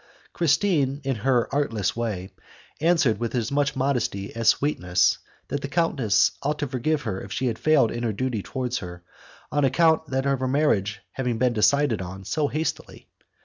Christine, in her artless way, answered with as much modesty as sweetness, that the countess ought to forgive her if she had failed in her duty towards her, on account of the marriage having been decided on so hastily.